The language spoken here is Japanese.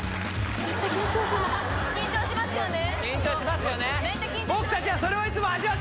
緊張しますよね